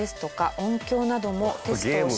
音響などもテストをして。